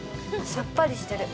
◆さっぱりしてる。